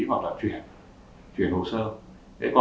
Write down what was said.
hoặc là chuyển hồ sơ